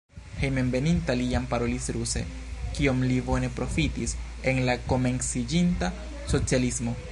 Hejmenveninta li jam parolis ruse, kion li bone profitis en la komenciĝinta socialismo.